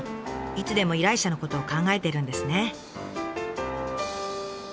いつでも依頼者のことを考えてるんですね。